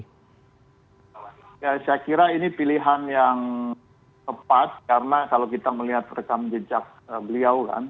saya kira ini pilihan yang tepat karena kalau kita melihat rekam jejak beliau kan